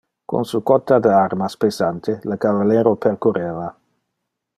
Con su cotta de armas pesante le cavallero percurreva